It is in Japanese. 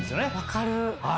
分かる。